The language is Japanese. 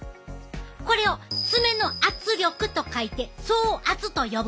これを爪の圧力と書いて爪圧と呼ぶ。